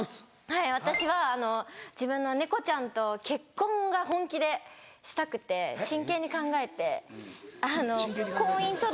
はい私は自分の猫ちゃんと結婚が本気でしたくて真剣に考えて婚姻届。